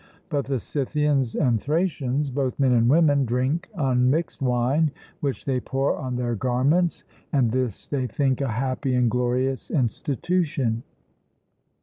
But the Scythians and Thracians, both men and women, drink unmixed wine, which they pour on their garments, and this they think a happy and glorious institution.